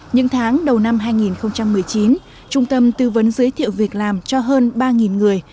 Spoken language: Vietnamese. những tháng đầu năm hai nghìn một mươi chín trung tâm tư vấn giới thiệu việc làm cho hơn ba người